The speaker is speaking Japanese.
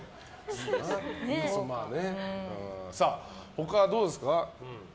他はどうですか？